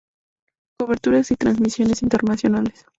Coberturas y transmisiones Internacionales.